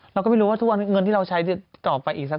เราก็ไม่รู้ว่าทุกวันเงินที่เราใช้ต่อไปอีกสัก